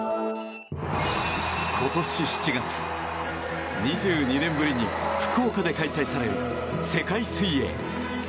今年７月、２２年ぶりに福岡で開催される世界水泳。